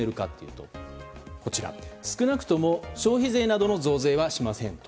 これ、どう進めるかというと少なくとも消費税などの増税はしませんと。